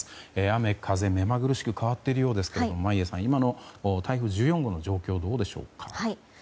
雨風、目まぐるしく変わっているようですが今の台風１４号の状況はどうでしょう？